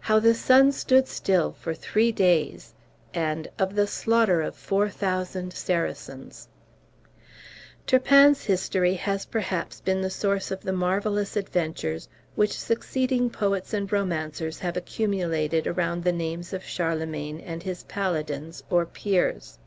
"How the Sun stood still for Three Days, and of the Slaughter of Four Thousand Saracens." Turpin's history has perhaps been the source of the marvellous adventures which succeeding poets and romancers have accumulated around the names of Charlemagne and his Paladins, or Peers.